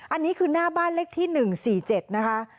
อันนี้คือหน้าบ้านเลขที่๑๔๗นะคะ